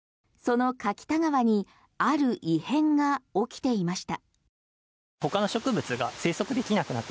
その柿田川にある異変が起きていました。